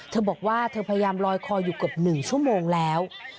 เธอบอกว่าเธอพยายามลอยคออยู่เกือบ๑ชั่วโมงแล้ว